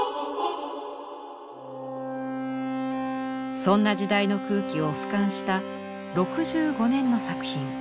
そんな時代の空気を俯瞰した６５年の作品。